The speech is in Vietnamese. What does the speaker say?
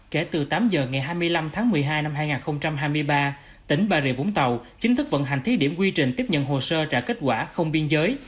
kể từ tám giờ ngày hai mươi năm tháng một mươi hai năm hai nghìn hai mươi ba tỉnh bà rịa vũng tàu chính thức vận hành thí điểm quy trình tiếp nhận hồ sơ trả kết quả không biên giới